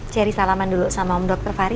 ceri salaman dulu sama om dokter fahri